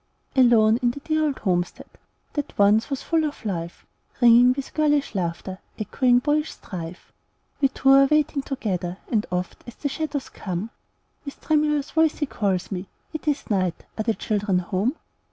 Alone in the dear old homestead That once was full of life, Ringing with girlish laughter, Echoing boyish strife, We two are waiting together; And oft, as the shadows come, With tremulous voice he calls me, "It is night! are the children home?"